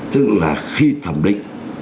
tức là khi thẩm định